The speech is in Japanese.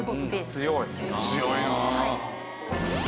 強いなあ。